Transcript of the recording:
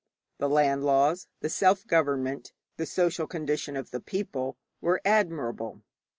The land laws, the self government, the social condition of the people, were admirable.